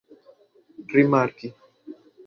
rimarki